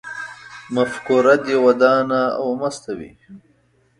مفکوره دې ودانه او مسته وي